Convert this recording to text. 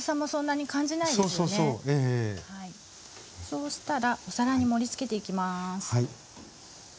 そうしたらお皿に盛りつけていきます。